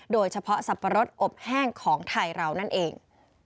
โดยเฉพาะสับปะรสอบแห้งของไทยเรานั่นเอง